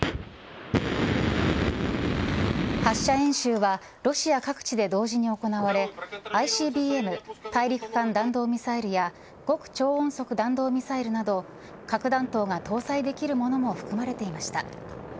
発射演習はロシア各地で同時に行われＩＣＢＭ大陸間弾道ミサイルや極超音速弾道ミサイルなど核弾頭が搭載できるものも含まれていました。